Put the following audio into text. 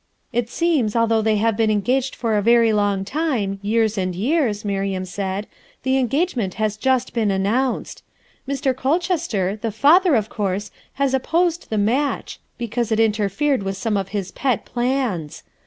It seems, although they have been engaged for a very long time, years and years, Miriam said, the engagement has just been announced. Mr. Colchester, the father, of course, has opposed the match, because it interfered with some of his pet plans.